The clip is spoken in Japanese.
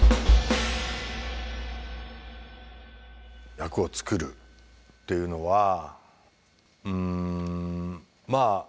役を作るっていうのはうんまあ